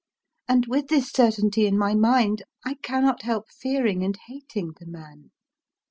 And with this certainty in my mind, I cannot help fearing and hating the man.